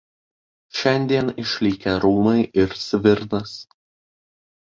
Šiandien išlikę rūmai ir svirnas.